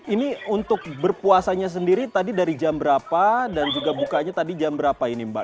ini untuk berpuasanya sendiri tadi dari jam berapa dan juga bukanya tadi jam berapa ini mbak